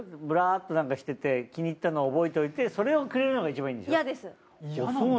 ぶらっとなんかしてて気に入ったのを覚えておいてそれをくれるのが一番いいんでしょ。